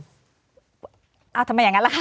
ทำไมอย่างนั้นล่ะคะ